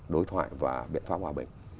đối thoại và biện pháp hòa bình